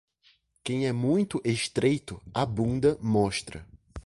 Quem é muito estreito, a bunda mostra.